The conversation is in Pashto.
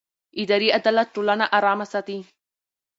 اداري عدالت ټولنه ارامه ساتي